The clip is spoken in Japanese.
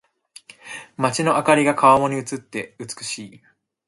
街の灯りが川面に映って美しい。